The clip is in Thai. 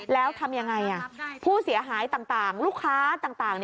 แล้วทำยังไงผู้เสียหายต่างลูกค้าต่าง